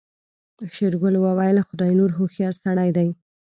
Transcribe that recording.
شېرګل وويل خداينور هوښيار سړی دی.